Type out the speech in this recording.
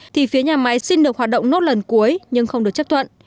thì phía nhà máy xin được hoạt động nốt lần cuối nhưng không được chấp thuận